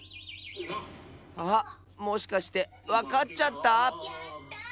あっもしかしてわかっちゃった？